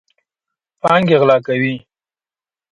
پانګې غلا کوي.